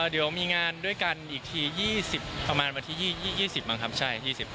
เดี๋ยวมีงานด้วยกันอีกทีประมาณวันที่๒๐มั้งครับใช่